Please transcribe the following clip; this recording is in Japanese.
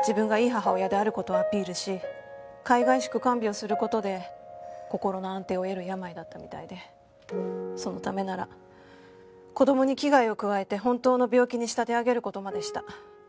自分がいい母親である事をアピールしかいがいしく看病する事で心の安定を得る病だったみたいでそのためなら子供に危害を加えて本当の病気に仕立て上げる事までした。